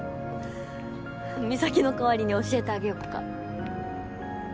美咲の代わりに教えてあげよっか。